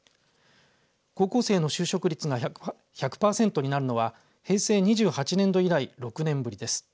高校生の就職率が１００パーセントになるのは平成２８年度以来６年ぶりです。